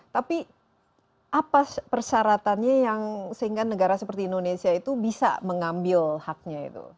tapi apa persyaratannya yang sehingga negara seperti indonesia itu bisa mengambil haknya itu